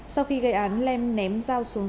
sau khi gây án lem ném dao xuống